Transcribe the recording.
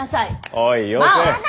おいよせ。